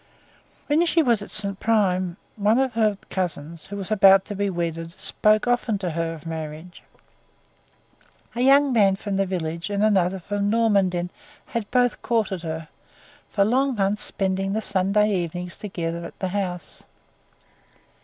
When she was at St. Prime, one of her cousins who was about to be wedded spoke often to her of marriage. A young man from the village and another from Normandin had both courted her; for long months spending the Sunday evenings together at the house.